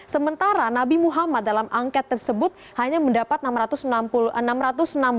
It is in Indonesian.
sementara nabi muhammad dalam angkat tersebut hanya mendapatkan